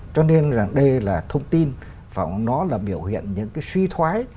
cho nên rằng đây là thông tin và nó là biểu hiện những cái suy thoái